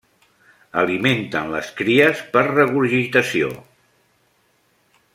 Alimenten les cries per regurgitació.